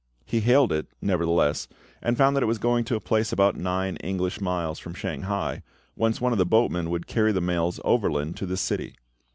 He hailed it, nevertheless, and found that it was going to a place about nine English miles from Shanghai, whence one of the boatmen would carry the mails overland to the city.